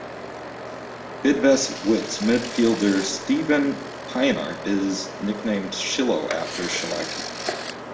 Bidvest Wits midfielder Steven Pienaar is nicknamed "Schillo" after Schillaci.